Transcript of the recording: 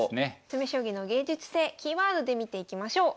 詰将棋の芸術性キーワードで見ていきましょう。